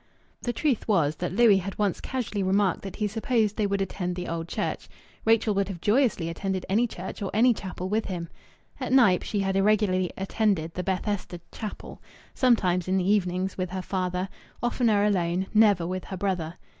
The truth was that Louis had once casually remarked that he supposed they would attend the Old Church. Rachel would have joyously attended any church or any chapel with him. At Knype she had irregularly attended the Bethesda Chapel sometimes (in the evenings) with her father, oftener alone, never with her brother.